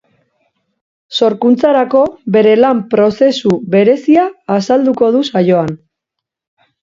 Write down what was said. Sorkuntzarako bere lan prozesu berezia azalduko du saioan.